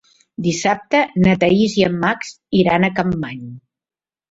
Dissabte na Thaís i en Max iran a Capmany.